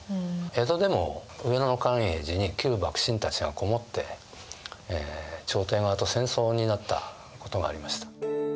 江戸でも上野の寛永寺に旧幕臣たちがこもって朝廷側と戦争になったことがありました。